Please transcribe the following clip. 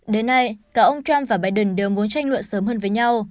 đến nay cả ông trump và biden đều muốn tranh luận sớm hơn với nhau